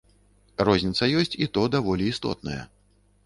Розніца ёсць, і то даволі істотная.